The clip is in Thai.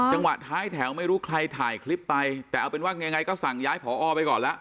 จังหวะท้ายแถวไม่รู้ใครถ่ายคลิปไปแต่เอาเป็นว่ายังไงก็สั่งย้ายผอไปก่อนแล้ว